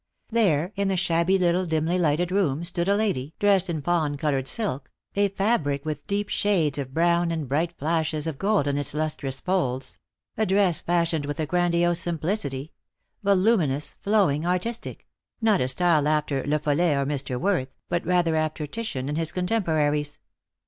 There, in the shabby little dimly lighted room, stood a lady, dressed in fawn coloured silk — a fabric with deep shades of brown and bright flashes of grid in its lustrous folds ; a dress fashioned with a grandiose simplicity; voluminous, flowing, artistic ; not a style after lie Follet or Mr. Worth, but rather after Titian and his contemporaries.